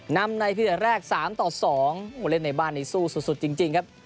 นำในพิเศษแรก๓๒เล่นในบ้านในสู้สุดจริงครับ